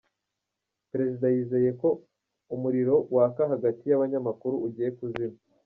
Perezida yizeye ko umuriro waka hagati y’abanyamakuru ugiye kuzima